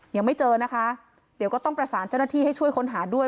ยังไม่เจอนะคะเดี๋ยวก็ต้องประสานเจ้าหน้าที่ให้ช่วยค้นหาด้วย